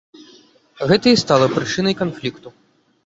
Гэта і стала прычынай канфлікту.